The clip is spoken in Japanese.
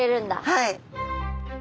はい。